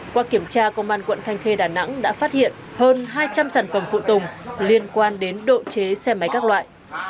qua kiểm tra công an quận thanh khê đà nẵng đã phát hiện hơn hai trăm linh sản phẩm phụ tùng liên quan đến độ chế xe máy các loại